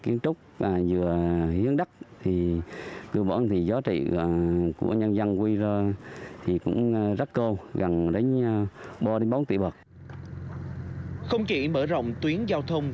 không chỉ mở rộng tuyến giao thông